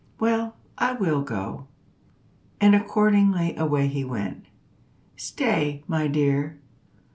"Well, I will go," and accordingly away he went. "Stay, my dear."